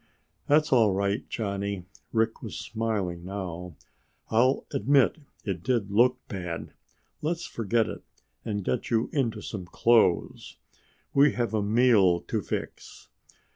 "That's all right, Johnny." Rick was smiling now. "I'll admit it did look bad. Let's forget it and get you into some clothes. We have a meal to fix."